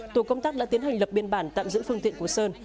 tổ công tác đã tiến hành lập biên bản tạm giữ phương tiện của sơn